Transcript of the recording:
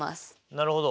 なるほど。